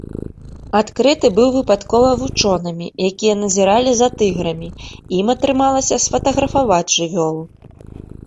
Адкрыты быў выпадкова вучонымі, якія назіралі за тыграмі, ім атрымалася сфатаграфаваць жывёлу.